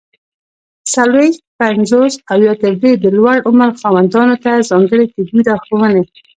څلوېښت، پنځوس او یا تر دې د لوړ عمر خاوندانو ته ځانګړي طبي لارښووني!